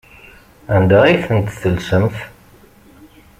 Anda ay tent-tellsemt?